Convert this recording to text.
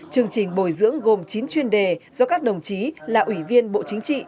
chương trình bồi dưỡng gồm chín chuyên đề do các đồng chí là ủy viên bộ chính trị